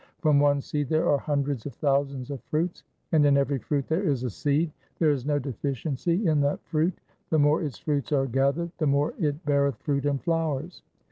From one seed there are hundreds of thousands of fruits, and in every fruit there is a seed. There is no deficiency in that fruit. The more its fruits are gathered, the more it beareth fruit and flowers.